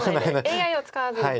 ＡＩを使わずにですね